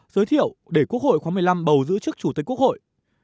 giới thiệu để quốc hội khóa một mươi năm bầu giữ chức chủ tịch quốc hội